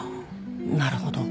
なるほど。